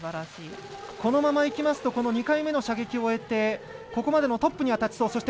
このままいくと郭雨潔２回目の射撃を終えてここまでのトップには立ちそう。